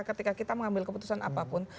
ketika kita mengambil keputusan apapun